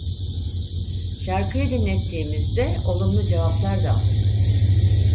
Şarkıyı dinlettiğimizde olumlu cevaplar da aldık.